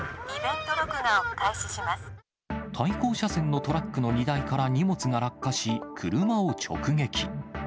対向車線のトラックの荷台から荷物が落下し、車を直撃。